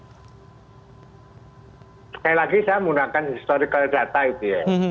sekali lagi saya menggunakan historical data itu ya